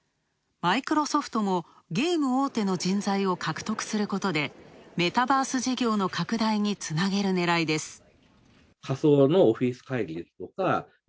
マイクロソフトもゲーム大手の人材を獲得することでメタバース事業の拡大につなげる狙いです。